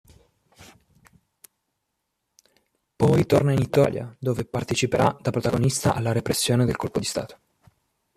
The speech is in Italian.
Poi torna in Italia, dove parteciperà da protagonista alla repressione del colpo di Stato.